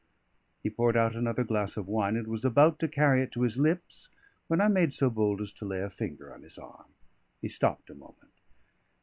He poured out another glass of wine, and was about to carry it to his lips, when I made so bold to as lay a finger on his arm. He stopped a moment.